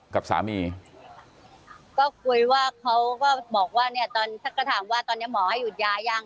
กับสามีก็คุยว่าเขาก็บอกว่าเนี่ยตอนถ้าก็ถามว่าตอนนี้หมอให้หยุดยายัง